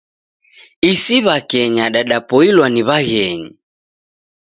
Isi w'akenya dadapoilwa ni w'aghenyi.